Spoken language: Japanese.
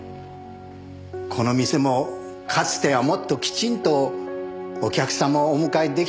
この店もかつてはもっときちんとお客様をお迎え出来たのでしょう。